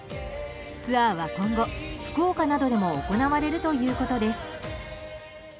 ツアーは今後福岡などでも行われるということです。